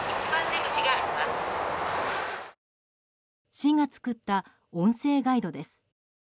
市が作った音声ガイドです。